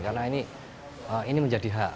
karena ini menjadi hak